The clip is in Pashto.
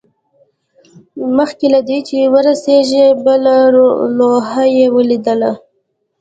مخکې له دې چې ورسیږي بله لوحه یې ولیدل